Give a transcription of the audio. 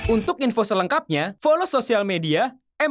untuk info selengkapnya follow sosial media mnc games